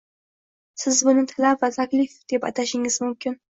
Siz buni talab va taklif deb atashingiz mumkin